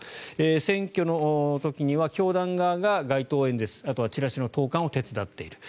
選挙の時には教団側が街頭演説あとはチラシの投函を手伝っている。